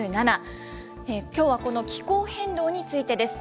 きょうはこの気候変動についてです。